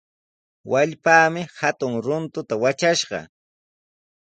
Wallpaami hatun runtuta watrashqa.